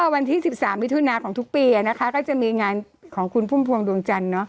วันที่๑๓มิถุนาของทุกปีก็จะมีงานของคุณพุ่มพวงดวงจันทร์